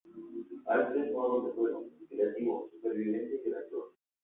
Hay tres modos de juego: creativo, supervivencia y aventura.